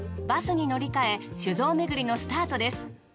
バスに乗り換え酒造めぐりのスタートです。